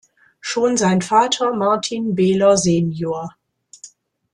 Schon sein Vater Martin Beeler sen.